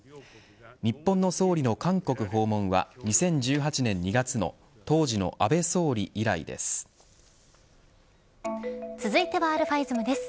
日本の総理の韓国訪問は２０１８年２月の続いてはαｉｓｍです。